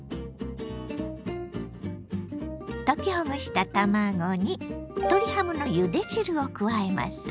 溶きほぐした卵に鶏ハムのゆで汁を加えます。